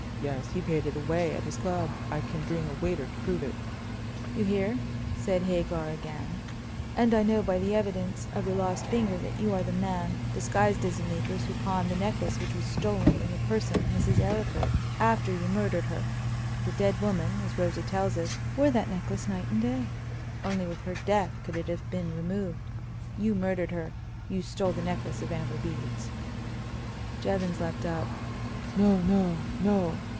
"Yes, he paid it away at his club; I can bring a waiter to prove it." "You hear," said Hagar again; "and I know by the evidence of your lost finger that you are the man, disguised as a negress, who pawned the necklace which was stolen from the person of Mrs. Arryford, after you murdered her. The dead woman, as Rosa tells us, wore that necklace night and day. Only with her death could it have been removed. You murdered her; you stole the necklace of amber beads." Jevons leaped up: "No, no, no!"